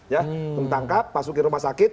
ya ditangkap pasuki rumah sakit